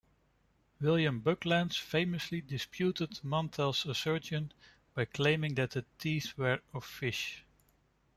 William Buckland famously disputed Mantell's assertion, by claiming that the teeth were of fish.